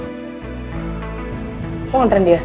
lo mau nganterin dia